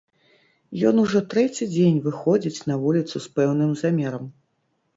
Ён ужо трэці дзень выходзіць на вуліцу з пэўным замерам.